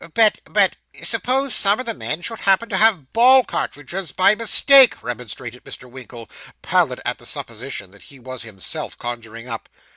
'But but suppose some of the men should happen to have ball cartridges by mistake,' remonstrated Mr. Winkle, pallid at the supposition he was himself conjuring up.